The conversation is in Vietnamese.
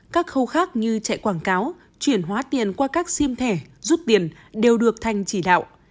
các khâu khác như chạy quảng cáo chuyển hóa tiền qua các sim thẻ rút tiền đều được thành chỉ đạo